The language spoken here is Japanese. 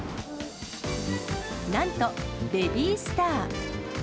なんとベビースター。